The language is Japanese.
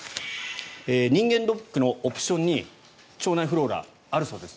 人間ドックのオプションに腸内フローラ、あるそうです。